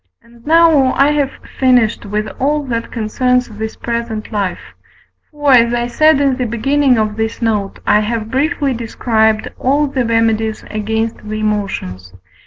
And now I have finished with all that concerns this present life: for, as I said in the beginning of this note, I have briefly described all the remedies against the emotions.